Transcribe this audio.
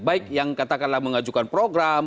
baik yang katakanlah mengajukan program